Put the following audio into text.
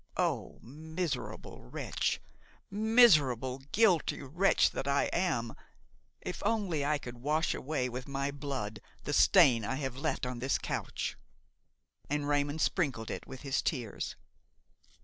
Oh! miserable wretch! miserable, guilty wretch that I am! if only I could wash away with my blood the stain I have left on this couch!" And Raymon sprinkled it with his tears.